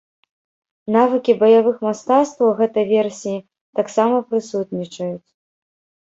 Навыкі баявых мастацтваў гэтай версіі таксама прысутнічаюць.